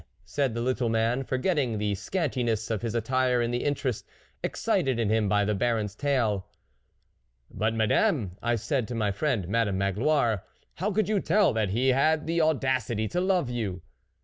said the little man, forgetting the scantiness of his attire in the interest excited in him by the Baron's tale. 44 4 But Madame,' I said to my friend Madame Magloire, 4 How could you tell that he had the audacity to love you